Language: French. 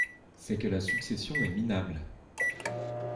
C’est que la succession est minable…